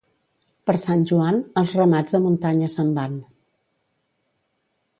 Per Sant Joan, els ramats a muntanya se'n van.